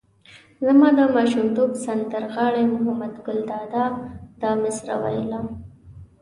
زما د ماشومتوب سندر غاړي محمد ګل دادا دا مسره ویله.